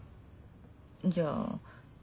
じゃあ。